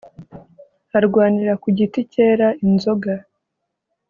Arwanira ku giti cyera inzoga